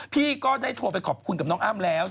พี่ก็ได้โทรไปขอบคุณกับน้องอ้ำแล้ว